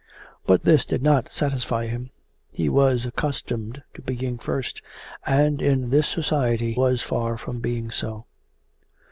But this did not satisfy him: he was accustomed to being first, and in this society was far from being so.